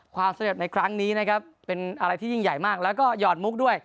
ความสำเร็จในครั้งนี้นะครับเป็นอะไรที่ยิ่งใหญ่มากแล้วก็หยอดมุกด้วย